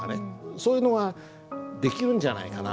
そういうのができるんじゃないかな。